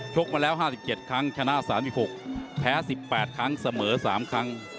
กมาแล้ว๕๗ครั้งชนะ๓๖แพ้๑๘ครั้งเสมอ๓ครั้ง